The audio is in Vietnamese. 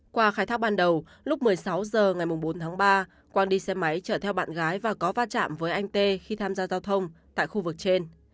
qua khai thác ban đầu lúc một mươi sáu h ngày bốn tháng ba quang đi xe máy chở theo bạn gái và có va chạm với anh tê khi tham gia giao thông tại khu vực trên